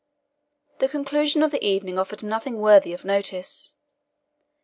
The conclusion of the evening offered nothing worthy of notice.